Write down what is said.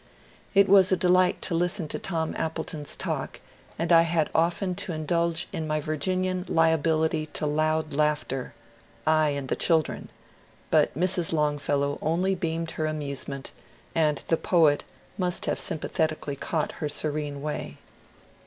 It was a delight, to listen to Tom Appleton's talk, and I had often to indulge in my Virginian liability to loud laughter, — I and the children, — but Mrs. Longfellow only beamed her amusement, and the poet must have sympathetically caught her serene way.